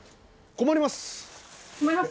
困ります？